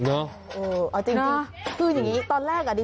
เอาจริงคืออย่างนี้